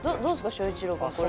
翔一郎くんこれ。